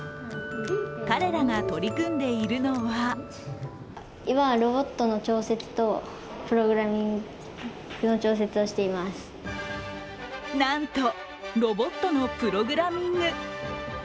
彼らが取り組んでいるのはなんとロボットのプログラミング。